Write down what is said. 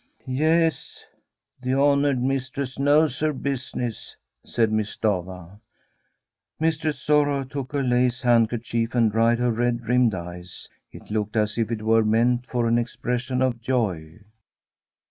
* Yes ; the honoured mistress knows her busi ness/ said Miss Stafva. Mistress Sorrow took her lace handkerchief and dried her red rimmed eyes. It looked as if It were meant for an expression of joy.